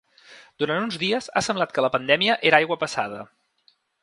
Durant uns dies ha semblat que la pandèmia era aigua passada.